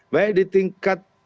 baik di tingkat